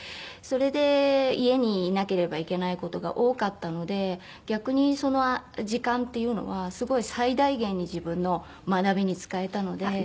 それで家にいなければいけない事が多かったので逆に時間っていうのはすごい最大限に自分の学びに使えたので。